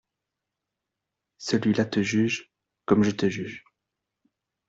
Celui-là te juge, comme je te juge.